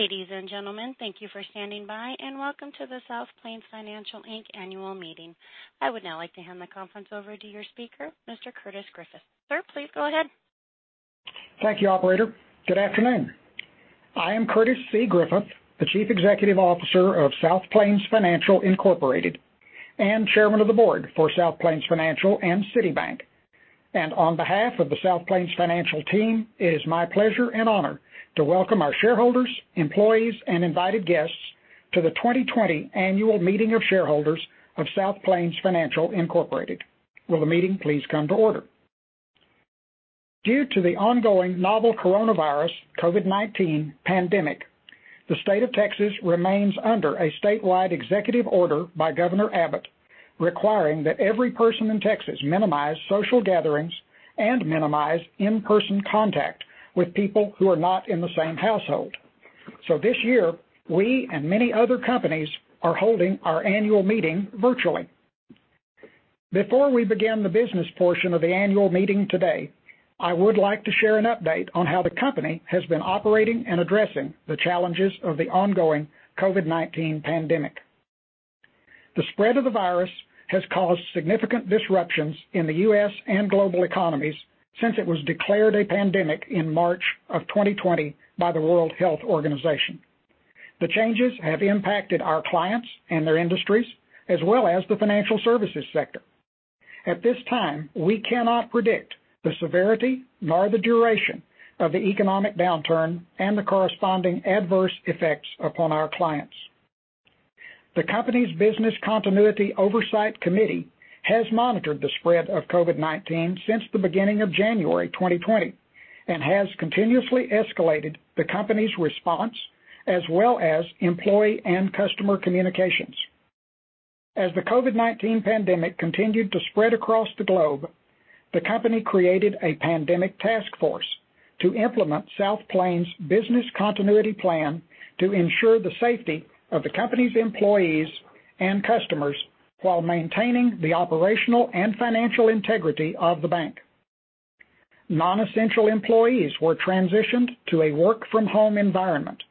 Ladies and gentlemen, thank you for standing by, and welcome to the South Plains Financial, Inc. annual meeting. I would now like to hand the conference over to your speaker, Mr. Curtis Griffith. Sir, please go ahead. Thank you, operator. Good afternoon. I am Curtis C. Griffith, the chief executive officer of South Plains Financial Incorporated, and chairman of the board for South Plains Financial and City Bank. On behalf of the South Plains Financial team, it is my pleasure and honor to welcome our shareholders, employees, and invited guests to the 2020 annual meeting of shareholders of South Plains Financial Incorporated. Will the meeting please come to order? Due to the ongoing novel coronavirus, COVID-19 pandemic, the State of Texas remains under a statewide executive order by Governor Abbott, requiring that every person in Texas minimize social gatherings and minimize in-person contact with people who are not in the same household. This year, we and many other companies are holding our annual meeting virtually. Before we begin the business portion of the annual meeting today, I would like to share an update on how the company has been operating and addressing the challenges of the ongoing COVID-19 pandemic. The spread of the virus has caused significant disruptions in the U.S. and global economies since it was declared a pandemic in March of 2020 by the World Health Organization. The changes have impacted our clients and their industries, as well as the financial services sector. At this time, we cannot predict the severity nor the duration of the economic downturn and the corresponding adverse effects upon our clients. The company's business continuity oversight committee has monitored the spread of COVID-19 since the beginning of January 2020, and has continuously escalated the company's response, as well as employee and customer communications. As the COVID-19 pandemic continued to spread across the globe, the company created a pandemic task force to implement South Plains' business continuity plan to ensure the safety of the company's employees and customers while maintaining the operational and financial integrity of the bank. Non-essential employees were transitioned to a work-from-home environment.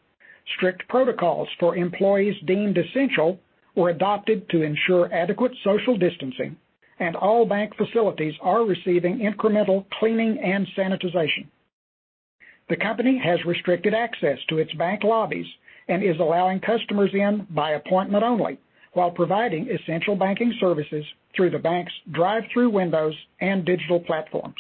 Strict protocols for employees deemed essential were adopted to ensure adequate social distancing, and all bank facilities are receiving incremental cleaning and sanitization. The company has restricted access to its bank lobbies and is allowing customers in by appointment only while providing essential banking services through the bank's drive-through windows and digital platforms.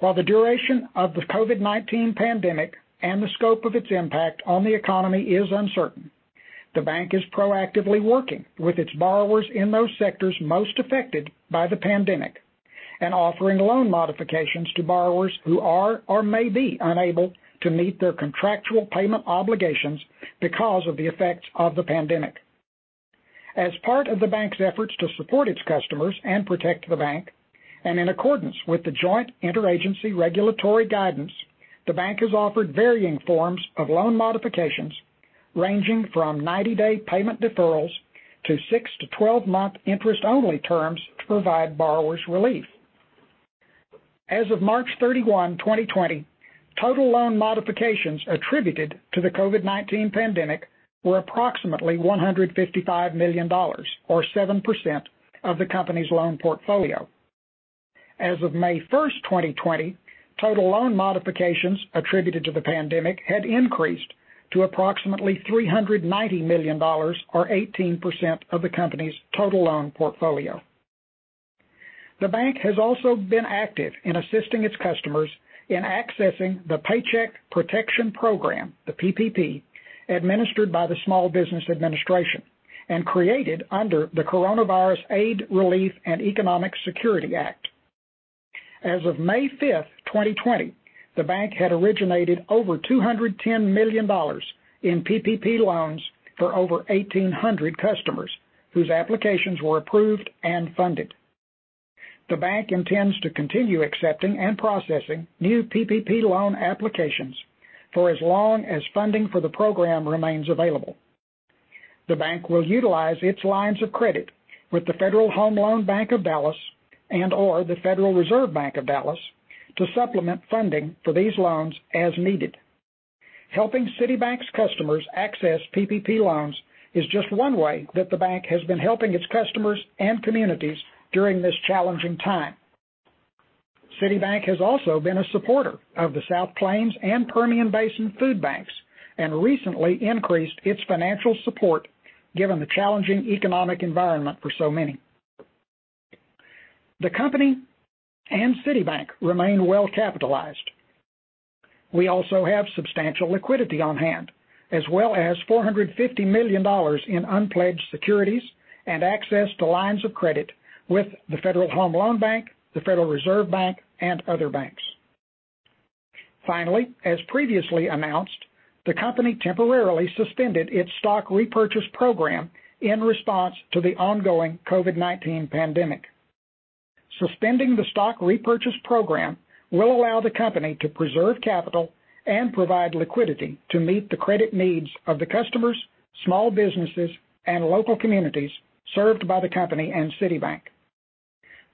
While the duration of the COVID-19 pandemic and the scope of its impact on the economy is uncertain, the bank is proactively working with its borrowers in those sectors most affected by the pandemic and offering loan modifications to borrowers who are or may be unable to meet their contractual payment obligations because of the effects of the pandemic. As part of the bank's efforts to support its customers and protect the bank, and in accordance with the joint interagency regulatory guidance, the bank has offered varying forms of loan modifications ranging from 90-day payment deferrals to 6 to 12-month interest-only terms to provide borrowers relief. As of March 31, 2020, total loan modifications attributed to the COVID-19 pandemic were approximately $155 million, or 7% of the company's loan portfolio. As of May 1st, 2020, total loan modifications attributed to the pandemic had increased to approximately $390 million, or 18% of the company's total loan portfolio. The bank has also been active in assisting its customers in accessing the Paycheck Protection Program, the PPP, administered by the Small Business Administration, and created under the Coronavirus Aid, Relief, and Economic Security Act. As of May 5th, 2020, the bank had originated over $210 million in PPP loans for over 1,800 customers whose applications were approved and funded. The bank intends to continue accepting and processing new PPP loan applications for as long as funding for the program remains available. The bank will utilize its lines of credit with the Federal Home Loan Bank of Dallas and/or the Federal Reserve Bank of Dallas to supplement funding for these loans as needed. Helping City Bank's customers access PPP loans is just one way that the bank has been helping its customers and communities during this challenging time. City Bank has also been a supporter of the South Plains and Permian Basin food banks, and recently increased its financial support given the challenging economic environment for so many. The company and City Bank remain well-capitalized. We also have substantial liquidity on hand, as well as $450 million in unpledged securities and access to lines of credit with the Federal Home Loan Bank, the Federal Reserve Bank, and other banks. Finally, as previously announced, the company temporarily suspended its stock repurchase program in response to the ongoing COVID-19 pandemic. Suspending the stock repurchase program will allow the company to preserve capital and provide liquidity to meet the credit needs of the customers, small businesses, and local communities served by the company and City Bank.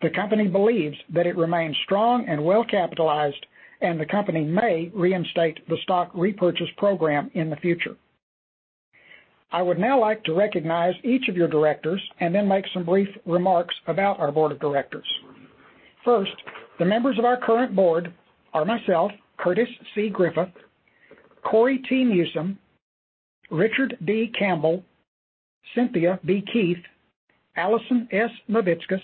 The company believes that it remains strong and well-capitalized, and the company may reinstate the stock repurchase program in the future. I would now like to recognize each of your directors and then make some brief remarks about our board of directors. First, the members of our current board are myself, Curtis C. Griffith, Cory T. Newsom, Richard D. Campbell, Cynthia B. Keith, Allison S. Navitskas,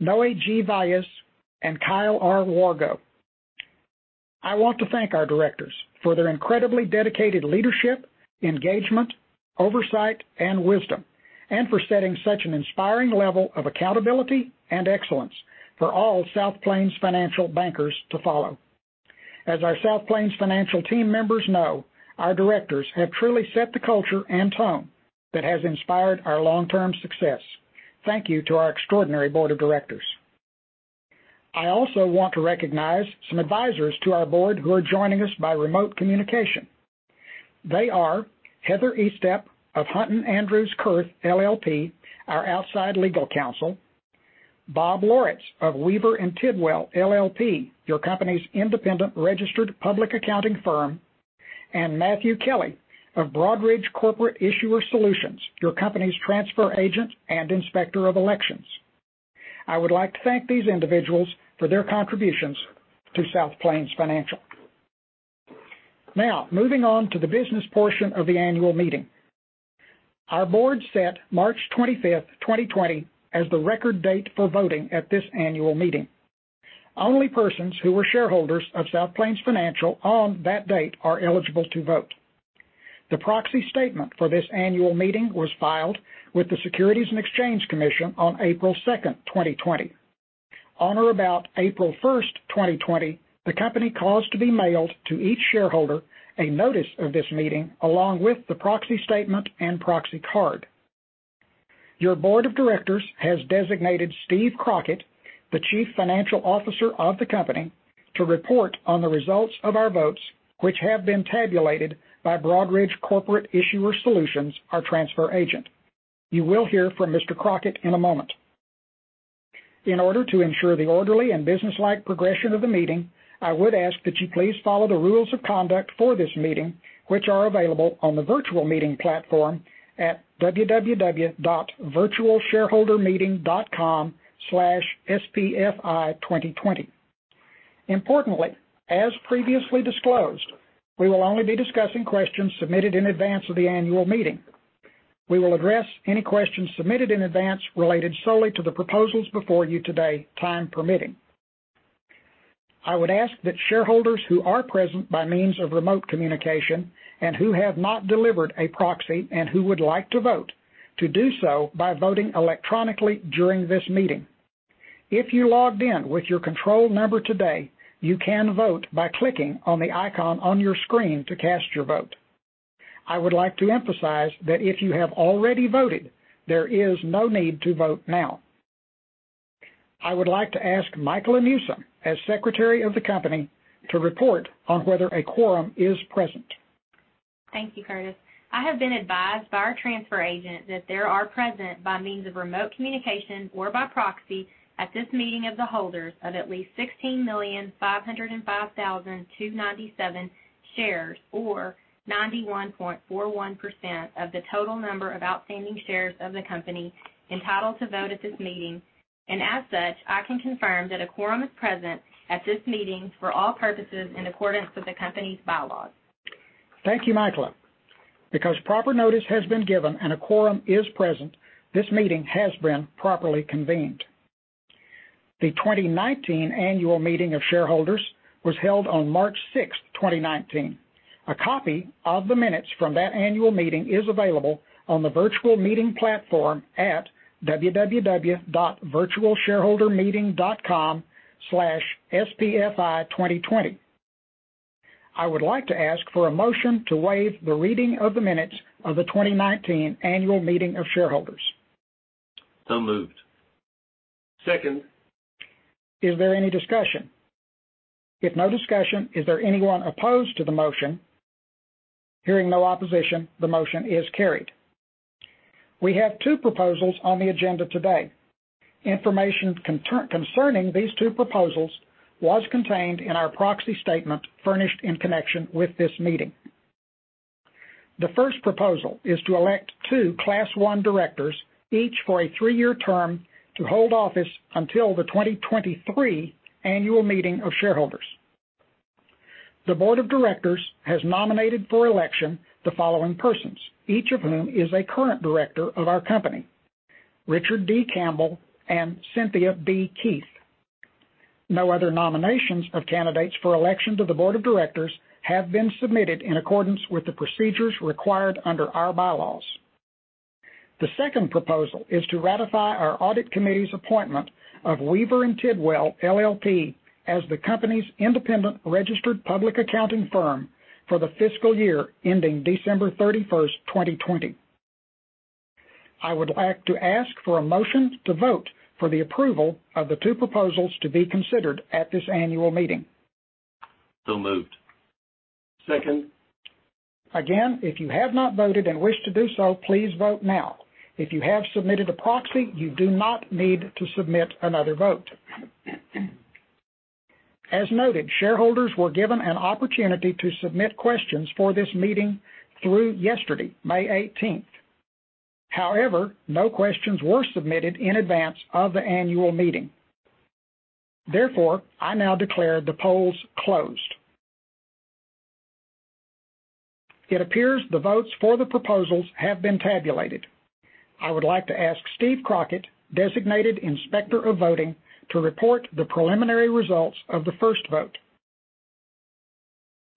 Noe G. Valles, and Kyle R. Wargo. I want to thank our directors for their incredibly dedicated leadership, engagement, oversight, and wisdom, and for setting such an inspiring level of accountability and excellence for all South Plains Financial bankers to follow. As our South Plains Financial team members know, our directors have truly set the culture and tone that has inspired our long-term success. Thank you to our extraordinary board of directors. I also want to recognize some advisors to our board who are joining us by remote communication. They are Heather Eastep of Hunton Andrews Kurth LLP, our outside legal counsel, Bob Loritz of Weaver and Tidwell, LLP, your company's independent registered public accounting firm, and Matthew Kelly of Broadridge Corporate Issuer Solutions, your company's transfer agent and inspector of elections. I would like to thank these individuals for their contributions to South Plains Financial. Moving on to the business portion of the annual meeting. Our board set March 25, 2020, as the record date for voting at this annual meeting. Only persons who were shareholders of South Plains Financial on that date are eligible to vote. The proxy statement for this annual meeting was filed with the Securities and Exchange Commission on April second, twenty-twenty. On or about April first, twenty-twenty, the company caused to be mailed to each shareholder a notice of this meeting, along with the proxy statement and proxy card. Your board of directors has designated Steve Crockett, the Chief Financial Officer of the company, to report on the results of our votes, which have been tabulated by Broadridge Corporate Issuer Solutions, our transfer agent. You will hear from Mr. Crockett in a moment. In order to ensure the orderly and businesslike progression of the meeting, I would ask that you please follow the rules of conduct for this meeting, which are available on the virtual meeting platform at www.virtualshareholdermeeting.com/spfi2020. Importantly, as previously disclosed, we will only be discussing questions submitted in advance of the annual meeting. We will address any questions submitted in advance related solely to the proposals before you today, time permitting. I would ask that shareholders who are present by means of remote communication and who have not delivered a proxy and who would like to vote, to do so by voting electronically during this meeting. If you logged in with your control number today, you can vote by clicking on the icon on your screen to cast your vote. I would like to emphasize that if you have already voted, there is no need to vote now. I would like to ask Mikella Newsom, as secretary of the company, to report on whether a quorum is present. Thank you, Curtis. I have been advised by our transfer agent that there are present by means of remote communication or by proxy at this meeting of the holders of at least 16,505,297 shares, or 91.41% of the total number of outstanding shares of the company entitled to vote at this meeting. As such, I can confirm that a quorum is present at this meeting for all purposes in accordance with the company's bylaws. Thank you, Mikella. Because proper notice has been given and a quorum is present, this meeting has been properly convened. The 2019 Annual Meeting of Shareholders was held on March 6th, 2019. A copy of the minutes from that annual meeting is available on the virtual meeting platform at www.virtualshareholdermeeting.com/SPFI2020. I would like to ask for a motion to waive the reading of the minutes of the 2019 Annual Meeting of Shareholders. Moved. Second. Is there any discussion? If no discussion, is there anyone opposed to the motion? Hearing no opposition, the motion is carried. We have two proposals on the agenda today. Information concerning these two proposals was contained in our proxy statement furnished in connection with this meeting. The first proposal is to elect two Class I directors, each for a three-year term, to hold office until the 2023 Annual Meeting of Shareholders. The board of directors has nominated for election the following persons, each of whom is a current director of our company, Richard D. Campbell and Cynthia B. Keith. No other nominations of candidates for election to the board of directors have been submitted in accordance with the procedures required under our bylaws. The second proposal is to ratify our audit committee's appointment of Weaver and Tidwell, LLP as the company's independent registered public accounting firm for the fiscal year ending December 31st, 2020. I would like to ask for a motion to vote for the approval of the two proposals to be considered at this annual meeting. Moved. Second. Again, if you have not voted and wish to do so, please vote now. If you have submitted a proxy, you do not need to submit another vote. As noted, shareholders were given an opportunity to submit questions for this meeting through yesterday, May 18th. No questions were submitted in advance of the annual meeting. I now declare the polls closed. It appears the votes for the proposals have been tabulated. I would like to ask Steve Crockett, Designated Inspector of Voting, to report the preliminary results of the first vote.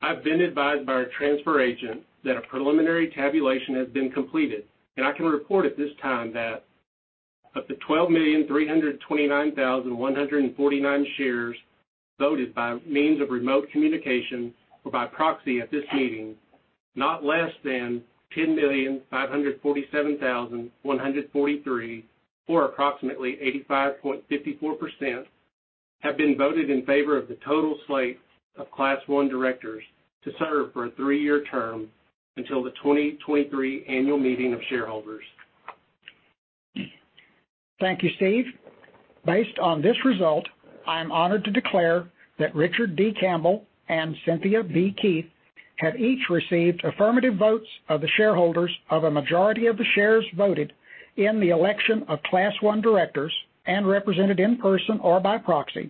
I've been advised by our transfer agent that a preliminary tabulation has been completed, and I can report at this time that of the 12,329,149 shares voted by means of remote communication or by proxy at this meeting, not less than 10,547,143, or approximately 85.54%, have been voted in favor of the total slate of Class 1 directors to serve for a three-year term until the 2023 annual meeting of shareholders. Thank you, Steve. Based on this result, I am honored to declare that Richard D. Campbell and Cynthia B. Keith have each received affirmative votes of the shareholders of a majority of the shares voted in the election of Class 1 directors and represented in person or by proxy,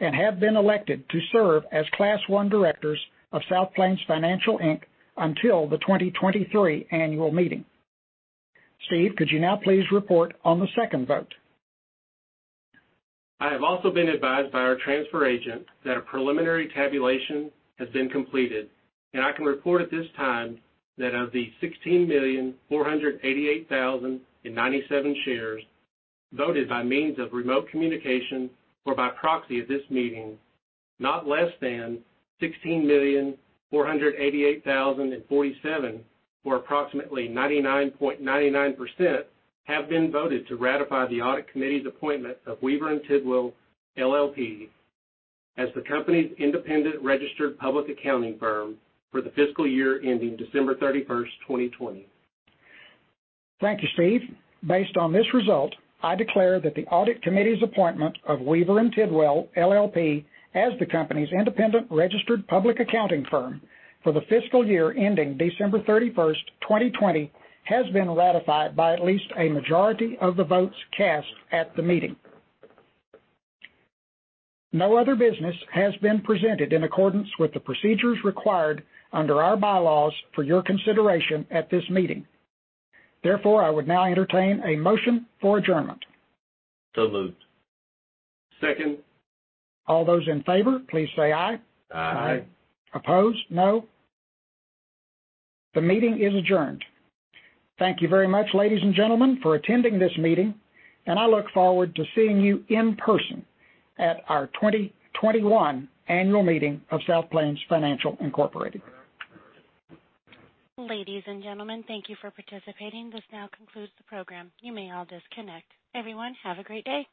and have been elected to serve as Class 1 directors of South Plains Financial, Inc. until the 2023 annual meeting. Steve, could you now please report on the second vote? I have also been advised by our transfer agent that a preliminary tabulation has been completed. I can report at this time that of the 16,488,097 shares voted by means of remote communication or by proxy at this meeting, not less than 16,488,047, or approximately 99.99%, have been voted to ratify the audit committee's appointment of Weaver and Tidwell, LLP as the company's independent registered public accounting firm for the fiscal year ending December 31st, 2020. Thank you, Steve. Based on this result, I declare that the audit committee's appointment of Weaver and Tidwell, LLP as the company's independent registered public accounting firm for the fiscal year ending December 31st, 2020, has been ratified by at least a majority of the votes cast at the meeting. No other business has been presented in accordance with the procedures required under our bylaws for your consideration at this meeting. Therefore, I would now entertain a motion for adjournment. Moved. Second. All those in favor, please say aye. Aye. Aye. Opposed, no. The meeting is adjourned. Thank you very much, ladies and gentlemen, for attending this meeting. I look forward to seeing you in person at our 2021 annual meeting of South Plains Financial Incorporated. Ladies and gentlemen, thank you for participating. This now concludes the program. You may all disconnect. Everyone, have a great day.